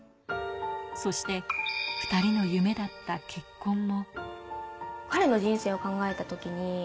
そして２人の夢だった結婚も。